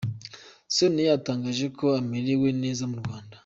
Soniya yatangaje ko amerewe neza mu Rwanda